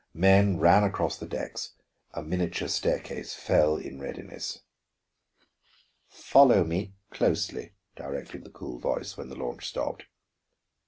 Men ran across the decks, a miniature staircase fell in readiness. "Follow me closely," directed the cool voice, when the launch stopped.